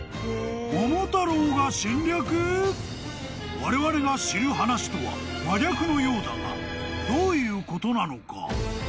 ［われわれが知る話とは真逆のようだがどういうことなのか？］